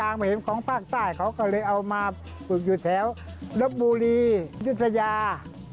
มีคณะมาก่อนอยู่บ้านแต้แล้ว